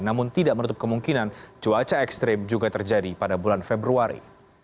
namun tidak menutup kemungkinan cuaca ekstrim juga terjadi pada bulan februari